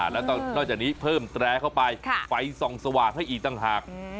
แล้วนอกจากนี้เพิ่มแตรเข้าไปไฟส่องสว่างให้อีกต่างหาก